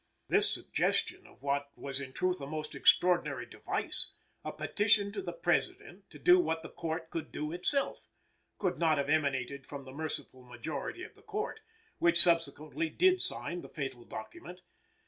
This suggestion of what was in truth a most extraordinary device a petition to the President to do what the Court could do itself could not have emanated from the merciful majority of the Court, which subsequently did sign the fatal document.